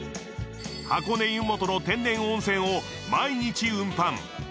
箱根湯本の天然温泉を毎日運搬。